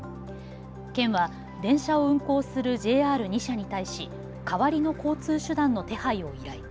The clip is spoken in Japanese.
県は電車を運行するＪＲ２社に対し代わりの交通手段の手配を依頼。